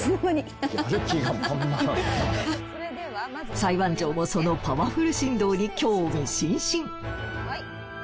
裁判長もそのパワフル振動に興味津々。